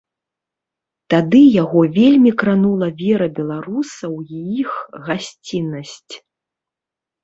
Тады яго вельмі кранула вера беларусаў і іх гасціннасць.